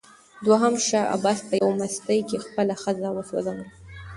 دوهم شاه عباس په یوه مستۍ کې خپله ښځه وسوځوله.